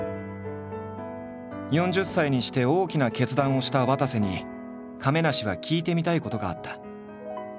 ４０歳にして大きな決断をしたわたせに亀梨は聞いてみたいことがあった。